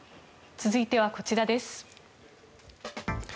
続いてはこちらです。